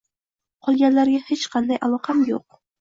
Qolganlarga hech qanday aloqam yo'q.